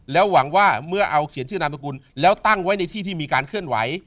หวังว่าเมื่อเอาเขียนชื่อนามสกุลแล้วตั้งไว้ในที่ที่มีการเคลื่อนไหว